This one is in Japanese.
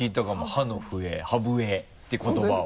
歯の笛歯笛って言葉を。